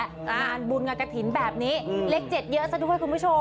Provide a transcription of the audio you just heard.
งานบุญงานกระถิ่นแบบนี้เลข๗เยอะซะด้วยคุณผู้ชม